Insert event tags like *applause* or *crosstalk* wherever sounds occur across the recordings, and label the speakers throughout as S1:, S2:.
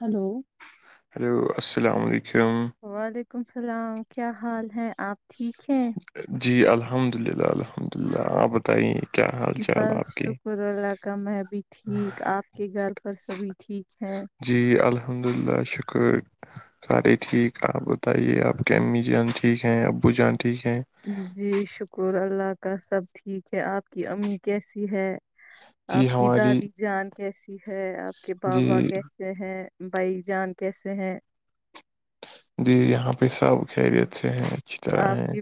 S1: Hello
S2: hello السلام علیکم
S1: وعلیکم اللام کیا حال ہے آپ ٹھیک ہیں
S2: جی الحمد للہ الحمد للہ آپ بتائیے کیا حال چال
S1: بس
S2: آپ کے
S1: شکر اللہ کا میں بھی ٹھیک آپ کے گھر پر سبھی ٹھیک ہے
S2: جی الحمد للہ شکر سارے ٹھیک آپ بتائیے آپ کے امی جان ٹھیک ہیں ابو جان ٹھیک ہیں
S1: جی شکر اللہ کا سب ٹھیک ہے آپ کی امی کیسی ہے
S2: جی
S1: آپ کی
S2: ہماری
S1: دادی جان کیسی ہے آپ کے
S2: جی
S1: بابا کی ہیں بھائی جان کیسے ہیں
S2: جی یہاں پہ سب خیریت سے ہیں اچھی طرح
S1: آپ
S2: ہیں
S1: کی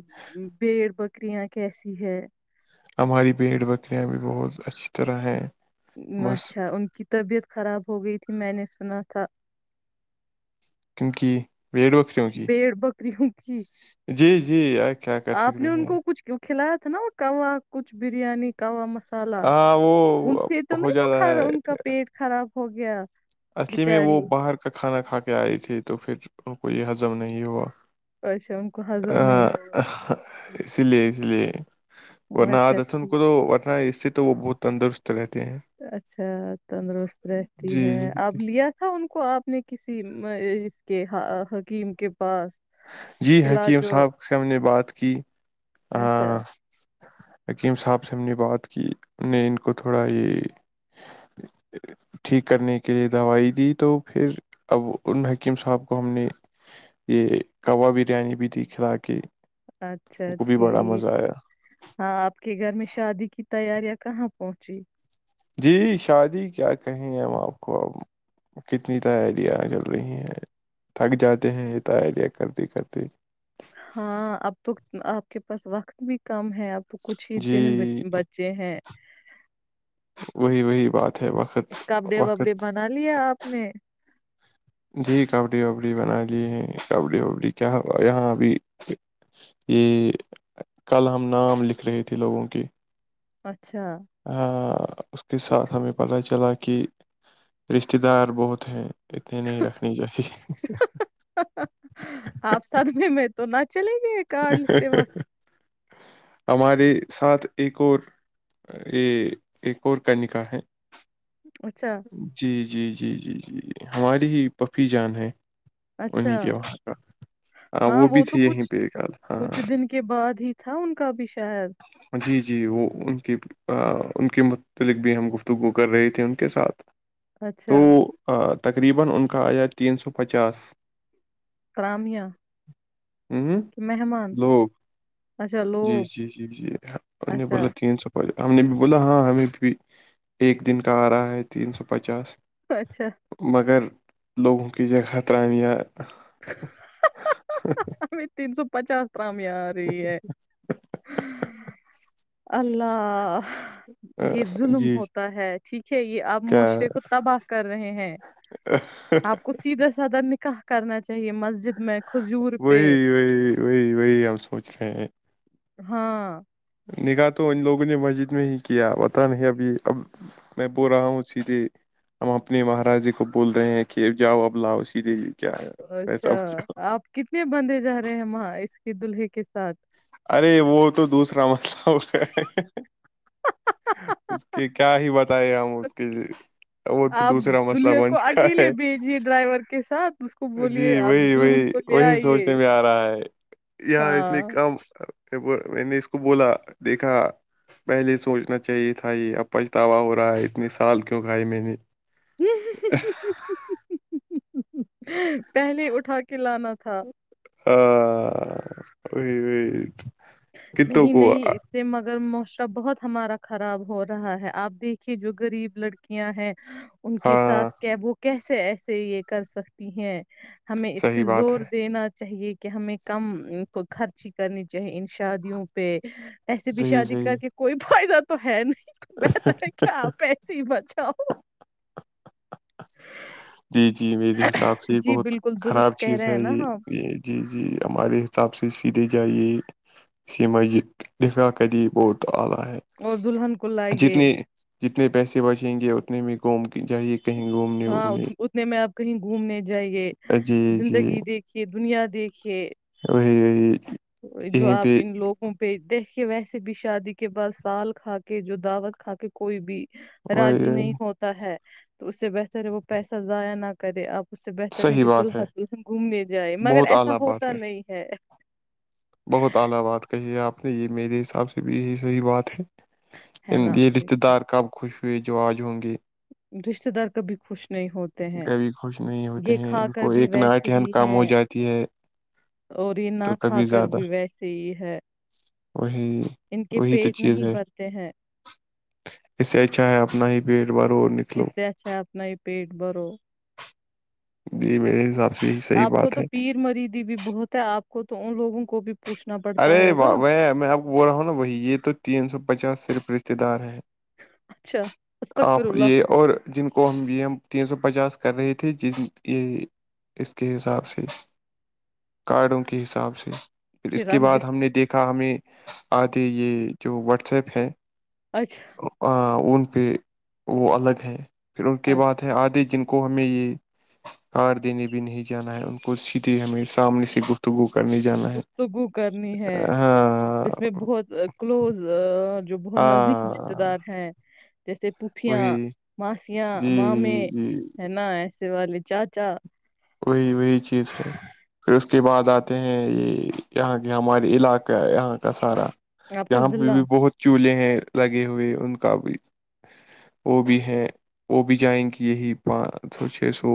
S1: بھیڑ بکریاں کیسی ہے
S2: ہماری بھیڑ بکریاں بھی بہت اچھی طرح ہیں بس
S1: اچھا ان کی طبیعت خراب ہو گئی تھی میں نے سنا تھا
S2: کیونکہ ویٹو
S1: بھیڑ بکریوں کی
S2: جی جی یار کیا کر
S1: آپ
S2: سکتے
S1: نے ان
S2: ہیں
S1: کو کچھ کیوں کھلایا تھا نا وہا کچھ بریانی یاب مس الہ
S2: ہاں
S1: ان
S2: وہ
S1: سے تو
S2: ہو
S1: نہیں
S2: جاتا
S1: وہا
S2: ہے
S1: ان کا پیٹ خراب ہو گیا
S2: اصلی میں وہ
S1: بچاری
S2: باہر کا کھانا کھا کے آئے تھے تو پھر کو یہ ہضم نہیں ہوا
S1: اچھا ان کو ہضم نہیں
S2: ا
S1: ہوگا
S2: اس لیے اس لیے ورنہ آ
S1: اچھا
S2: دس ان کو تو
S1: ٹھیک
S2: ورنا ہے اس سے تو وہ بہت تندرست رہتے ہیں
S1: اچھا تندرست رہتی
S2: جی
S1: ہے اب لیا تھا ان کو آپ نے کسی اس کے حکیم کے پاس
S2: جی حکیم
S1: علاج و
S2: صاحب سے ہم نے بات کی
S1: اچھا
S2: حکیم صاحب سے ہم نے بات کی نے ان کو تھوڑا یہ
S1: *inaudible*
S2: ٹھیک کرنے کے لیے دوائی دی تو پھر اب ان حکیم صاحب کو ہم نے یہ کوا بریانی بھی تھی کھلا کے
S1: اچھا
S2: ان کو بھی بڑا
S1: ٹھیک
S2: مزہ آیا
S1: ہاں آپ کے گھر میں شادی کی تیاریاں کہاں پہنچی
S2: جی شادی کیا کہیں ہم آپ کو اب کتنی تائیاریاں چل رہی ہیں تھک جاتے ہیں تائیاریاں کرتے کرتے
S1: ہاں اب تو آپ کے پاس وقت بھی کم ہے اب تو کچھ ہی
S2: جی
S1: دن بچ بچے ہے
S2: وہی وہی بات ہے وقت
S1: کپڑے وپڑے
S2: وقت
S1: بنا لیا آپ نے
S2: جی کپڑے وبڈے بنا لیے ہیں کبڈے وبی کیا یہاں ابھی یہ کل ہم نام لکھ رہے تھے لوگوں کے
S1: اچھا
S2: اس کے ساتھ ہمیں پتہ چلا کہ رشتے دار بہت ہیں اتنے نہیں رکھنی چاہیے
S1: آپ سدمی میں تو نہ چلیں گے
S2: ہمارے سات ایک اور یہ ایک اور کا نکاح ہے
S1: اچھا
S2: جی جی جی جی جیی ہماری ہی پفی جان ہے انہیں
S1: اچھا
S2: کے وہاں ہاں وہ بھی تھی یہیں پہ کال ہاں
S1: کچھ دن کے بعد ہی تھا ان کا بھی شاید
S2: جی جی وہ ان کی ان کے متعلق بھی ہم گفتگو کر رہے تھے ان کے ساتھ تو
S1: اچھا
S2: تقریبا ان کا آیا تین سو پچاس
S1: کرامیہ
S2: ہ
S1: کہ مہمان
S2: لوگ
S1: اچھا
S2: جی
S1: لوگ
S2: جی جی جی
S1: اچھا
S2: بولے تین سو ہم نے بھی بولا ہاں ہمیں بھی ایک دن کا آ رہا ہے تین سو پچاس
S1: اچھا
S2: مگر لوگوں کی جگہ طرانیہ
S1: ابھی تین سو پچاس رام یہ آ رہی ہے اللہ یہ ظلم
S2: جی
S1: ہوتا ہے ٹھیک ہے یہ آپ
S2: کیا
S1: معاشرے کو تباہ کر رہے ہیں آپ کو سیدھا سادا نکاح کرنا چاہیے مسجد میں کھجور پہ
S2: وہی وہی وہی وہی ہم سوچ رہے ہیں
S1: ہاں
S2: نکاح تو ان لوگوں نے مسجد میں ہی کیا پتا نہیں ابھی اب میں بول رہا ہوں اسی سے ہم اپنے مہاراجی کو بول رہے ہیں کہ جاؤ اب لاؤ سیدھے کیا ہے ایسا
S1: اچھا آپ کتنے بندے جا رہے ہیں وہاں اس کے دلہے کے ساتھ
S2: ارے وہ تو دوسرا مسئلہ ہو اس کے کیا ہی بتائے ہم اس کے وہ تو
S1: آپ
S2: دوسرا مسئلہ
S1: دلہے کو
S2: بن چکا
S1: اکیلے
S2: ہے
S1: بھیجیے ڈرائیور کے ساتھ اس کو بولیے
S2: جی
S1: آپ
S2: وہی
S1: دلہن
S2: وہی
S1: کو لے
S2: وہی
S1: آئیے
S2: سوچنے میں آ رہا ہے یہاں اتنی
S1: ہاں
S2: کم میں نے اس کو بولا دیکھا پہلے ہی سوچنا چاہیے تھا یہ اب پچھتاوا ہو رہا ہے اتنے سال کیوں کھائے میں نے
S1: پہلے اٹھا کے لانا تھا
S2: آ وہی وہی کتوں
S1: نہیں
S2: کو
S1: نہیں سے مگر معاشرہ بہت ہمارا خراب ہو رہا ہے آپ دیکھیے جو غریب لڑکیاں ہیں ان کے ساتھ
S2: ہاں
S1: کیا وہ کیسے ایسے یہ کر سکتی ہیں ہمیں اس پہ
S2: صحیح بات
S1: زور
S2: ہے
S1: دینا چاہیے کہ ہمیں کم خرچی کرنی چاہیے شادیوں پہ ایسے بھی
S2: صحیح
S1: شادی
S2: صحیح
S1: کر کے کوئی فائدہ تو ہے نہیں میں تو کیا پیسے بچاؤ
S2: جی جی میرے حساب سے یہ
S1: جی
S2: بہت
S1: بالکل درست
S2: خراب
S1: کہہ
S2: چیز
S1: رہے
S2: ہے
S1: ہیں نا
S2: یہ
S1: آپ
S2: یہ جی جی ہمارے حساب سے سیدھے جائیے *unintelligible*
S1: اور دلہن کو لایئے
S2: جتنے جتنے پیسے بچیں گے اتنے میں قوم چاہی
S1: ہاں اتنے میں آپ کہیں گھومنے جائیے
S2: جی جی
S1: زندگی دیکھیے دنیا دیکھیے
S2: وہی وہی
S1: تو جو
S2: یہیں پہ
S1: آپی انلوگ پہ دیکھ کے ویسے بھی شادی کے بعد سال کھا کے جو دعوت کھا کے کوئی بھی راضی
S2: وہی
S1: نہیں ہوتا ہے تو اس سے بہتر ہے وہ پیسہ ضائع نہ کرے اب اس سے بہتر ہے
S2: صحیح
S1: کہ
S2: بات
S1: دولہا دلہن گھومنے جائے مگر
S2: بہت
S1: ایسا
S2: اعلی بات
S1: ہوتا نہیں ہے
S2: بہت اعلی بات کہی ہے آپ نے یہ میرے حساب سے بھی یہی صحیح بات ہے
S1: ہے نا
S2: یہ
S1: دیکھو
S2: رشتےدار کب خوش ہوئے جو آج ہوں گے
S1: رشتے دار کبھی خوش نہیں ہوتے ہیں
S2: کبھی خوش نہیں ہوتے
S1: یہ
S2: ہیں
S1: کھا
S2: ان
S1: کر
S2: کو
S1: بھی
S2: ایک
S1: ویسے
S2: ناٹہن
S1: ہی
S2: کم ہو
S1: ہیں
S2: جاتی ہے
S1: اور یہ نہ
S2: تو
S1: کھا کر بھی ویسے ہی ہے
S2: ہمم
S1: ان کے
S2: وہی تو
S1: پیٹ
S2: چیز
S1: نہیں
S2: ہے
S1: بھرتے ہیں
S2: اسے اچھا ہے اپنا ہی پیٹ بھر اور نکلو
S1: اس سے اچھا ہے اپنا ہی پیٹ بھرو
S2: جی میرے حساب سے یہی صحیح
S1: آپ کو
S2: بات
S1: تو
S2: ہے
S1: پیر مریدی بھی بہت ہے آپ کو تو ان لوگوں کو بھی پوچھنا پڑتا
S2: ارے
S1: ہوگا
S2: میں آپ کو بول رہا ہوں نا وہی یہ تو تین سو پچاس صرف رشتے دار ہیں
S1: اچھا استغفر
S2: آپ
S1: اللہ
S2: یہ اور جن کو ہم یہ ہم تینسو پچاس کر رہے تھے جن یہ اس کے حساب سے کارڈوں کے حساب سے پھر اس کے بعد ہم نے دیکھا ہمیں آتے یہ جو واٹسیپ ہے
S1: اچھا
S2: ان پہ وہ الگ ہیں پھر ان کے بعد ہے
S1: اچھا
S2: آدھے جن کو ہمیں یہ کارڈ دینے بھی نہیں جانا ہے ان کو سیدھے ہمیں سامنے سے گو تگو کرنے جانا ہے
S1: گفتگو کرنی ہے
S2: ہاں
S1: جس میں بہت کلوز جو بہت نزدیک رشتے
S2: ہاں
S1: دار ہیں جیسے پوفیاں
S2: وہی
S1: ماسی یا
S2: جی
S1: ماں میں
S2: جی
S1: ہے نا ایسے والے چاچا
S2: وہی وہی چیز ہے پھر اس کے بعد آتے ہیں یہ یہاں کے ہمارے علاقہ یہاں کا سارا
S1: آپ کا
S2: یہاں پہ
S1: ضلع
S2: بھی بہت چولہے ہیں لگے ہوئے ان کا بھی وہ بھی ہیں وہ بھی جائیں گی یہی پانچ سو چھ سو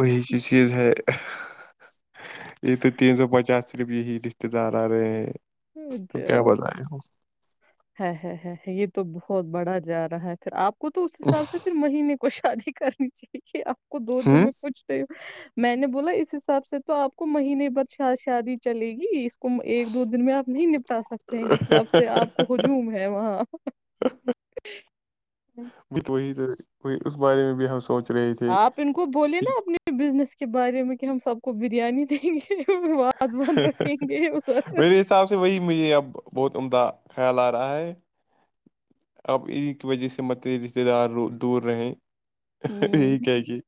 S2: وہی سی چیز ہے یہ تو تینسو پچاس روپے ہی رشتے دار آ رہے ہیں تو کیا
S1: اچھا
S2: بتاۓ ہم
S1: ہے یہ تو بہت بڑا جا رہا ہے پھر آپ کو تو اس حساب سے ہر مہینے کو شادی کرنی چاہیے آپ کو دو دن
S2: ہوں
S1: میں کچھ میں نے بولا اس حساب سے تو آپ کو مہینے بعد شادی چلے گی ایک دو دن میں آپ نہیں نپٹا سکتے ہیں جس طرب سے آپ کو ہجوم ہے وہاں ہوں۔
S2: وہی تو وہ اس بارے میں بھی ہم سوچ رہے تھے
S1: آپ ان کو بولے نا
S2: کہ
S1: اپنے بزنس کے بارے میں کہ ہم سب کو بریانی دیں گے آزمان رکھیں گے اور
S2: میرے حساب وہی مجھے اب بہت عمدہ خیال آ رہا ہے اب ایک وجہ سے مت رشتے دار دور رہیں
S1: ہوں
S2: یہی کہہ کے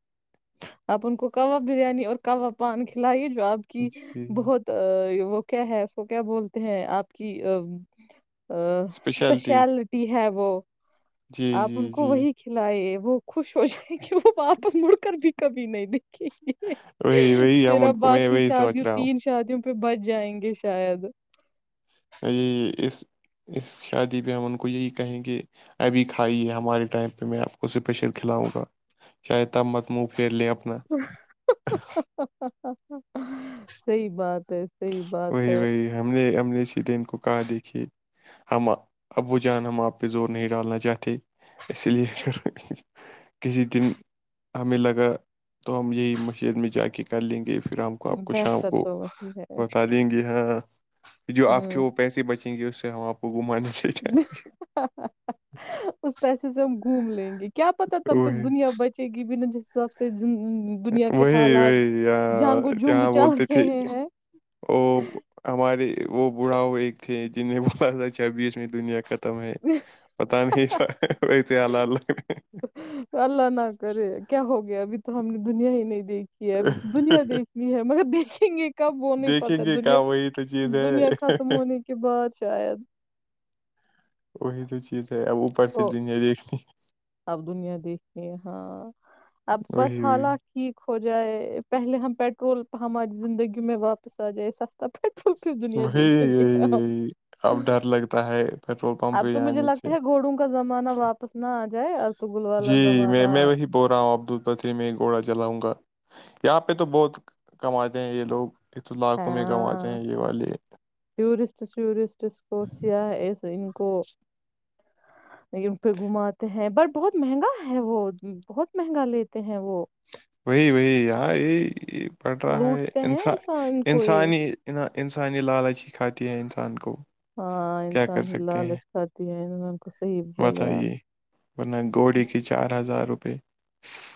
S1: آپ ان کو کہو بریانی اور کباب پان کھلائیے جو آپ کہ
S2: جی
S1: بہت وہ کیا ہے اس کو کیا بولتے ہیں آپ کی اسپیشلٹی ہے وہ
S2: جی
S1: آپ
S2: جی
S1: ان کو
S2: جی
S1: وہی کھلائی وہ خوش ہو جائیں گے وہ واپس مڑ کر بھی کبھی نہیں دے
S2: وہی وہی
S1: پھر
S2: ہم ان
S1: اب
S2: کو میں
S1: باقی
S2: وہی سوچ
S1: شادی
S2: رہا ہوں
S1: تین ش شادیوں پہ بچ جائیں گے شاید
S2: یہ اس اس شادی پہ ہم ان کو یہی کہیں گے ابھی کھائی ہے ہمارے ٹائم پہ میں آپ کو اسپیشل کھلاؤں گا چاہے مت منہ پھیر لیں
S1: صحیح بات ہے صحیح بات
S2: وہی
S1: ہے
S2: وہی ہم نے ہم نے سی دن کو کہا دیکھیے ہم ابو جان ہم آپ پہ زور نہیں ڈالنا چاہتے اس لیے کسی دن ہمیں لگا تو ہم یہی مسجد میں جا کے کر لیں گے پھر ہم کو آپ کو شام
S1: بہتر
S2: کو
S1: تو وہی ہے
S2: بتایں گے ہاں جو آپ کے
S1: ہوں
S2: وہ پیسے بچیں گے اس سے ہم آپ کو گمانےاہ
S1: اس پیسے سے ہم گھوم لیں گے کیا پتا تب تک
S2: وہی
S1: دنیا بچے گی بھی نہ سب سے دنیا کے
S2: وہی
S1: حالات
S2: وہی
S1: جہاں
S2: آ،
S1: دھوم
S2: جہاں
S1: مچا
S2: بولتے
S1: رہے
S2: تھے
S1: ہیں
S2: وہ ہمارے وہ بوڑھا وہ ایک تھے جنیں بولا تھا چھبیسویں دنیا کا تمہیں پتا نہیں تھا
S1: اللہ نہ کرے کیا ہو گیا ابھی تو ہم نے دنیا ہی نہیں دیکھی یہ بھی تو دنیا دیکھنی ہے مگر دیکھیں گے کب وہ نہیں
S2: دیکھیں
S1: پتا
S2: گے
S1: دنیا
S2: کہاں وہی تو چیز
S1: دنیا ختم
S2: ہے
S1: ہونے کے بعد شاید
S2: وہی تو چیز ہے اب اوپر سے
S1: او
S2: دنیا دیکھنی
S1: اب دنیا دیکھے ہاں اب بس
S2: وہی وہی
S1: حالک ٹھیک ہو جائے پہلے ہم پیٹرول ہماری زندگی میں واپس آ جائے ت پھرٹل پھر دنیا
S2: وہی
S1: دیکھیں گے
S2: یہی یہی
S1: ہم
S2: اب ڈر لگتا ہے پیٹرول پمپ
S1: اب
S2: پہ
S1: تو مجھے
S2: آنے
S1: لگ
S2: سے
S1: اچھا گھوڑوں کا زمانہ واپس نہ آ جائے ارطغل والا زمانہ
S2: تو راؤ عبد الفتری میں ایک گھوڑا جلاؤں گا یہاں پہ تو بہت کماتے ہیں یہ لوگ یہ تو لاکھوں میں کماتے ہیں یہ والے
S1: ٹورسٹس ٹورسٹس کو سیاح ان کو ان پہ گھماتے ہیں بٹ بہت مہنگا ہے وہ بہت مہنگا لیتے ہیں وہ
S2: وہی وہی یار یہی پڑ رہا ہے
S1: لوٹتے ہیں
S2: انسان
S1: کو یہ
S2: انسانی ان انسانی لالچ ہی کھاتی ہے انسان کو
S1: ہاں
S2: کیا
S1: انسان
S2: کر
S1: ہی
S2: سکتے ہیں
S1: لالچ کھاتی ہے انسان کو صحیح بولے آپ
S2: بتائیے ورنہ گھوڈی کے چار ہزار روپے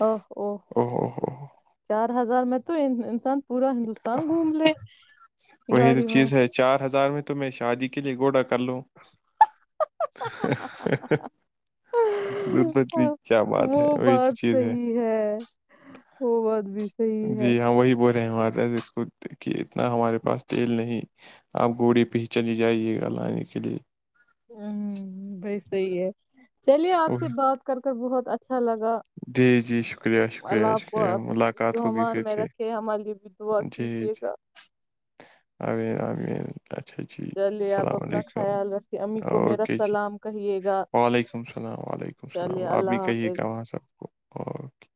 S1: او او
S2: ہو ہو ہو،
S1: چار ہزار میں تو انسان پورا ہندوستان گھوم لے
S2: وہی تو
S1: گاڑی میں
S2: چیز ہے چار ہزار میں تو میں شادی کے لیئے گھوڑا کر لوں ہ بدتری کیا بات ہے
S1: وہ
S2: وہی تو
S1: بات
S2: چیز ہے
S1: صحیح وہ بات بھی صحیح ہے
S2: رحم آتا ہے جس کو دیکھ کے اتنا ہمارے پاس تیل نہیں آپ گھوڑے پہ ہی چلی جائیے گا لانے کے لیے
S1: بھائی صحیح ہے چلیے آپ
S2: اوہ،
S1: سے بات کر کر بہت اچھا لگا
S2: جی جی شکریہ
S1: اللہ
S2: شکریہ
S1: آپ کو
S2: شکریہ
S1: اپنے
S2: ملاقات ہوگی پھر
S1: گمان میں
S2: سے
S1: رکھے ہمارے لیے بھی دعا
S2: جی
S1: کیجیے
S2: جی
S1: گا
S2: ا رے آرے اچھا جی
S1: چلیے آپ
S2: السلام
S1: اپنا
S2: علیکم
S1: خیال رکھیے امی کو میرا
S2: اوکے جی
S1: سلام کہیے گا
S2: وعلیکم السلام وعلیکم
S1: چلیے
S2: السلام آپ بھی
S1: اللہ
S2: کہیے
S1: حافظ
S2: گا وہاں سب پھوپھو